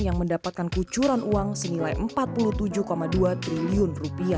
yang mendapatkan kucuran uang senilai rp empat puluh tujuh dua triliun